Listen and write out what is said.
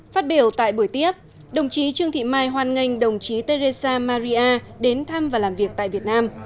phát biểu tại buổi tiếp đồng chí trương thị mai hoan nghênh đồng chí teresa maria đến thăm và làm việc tại việt nam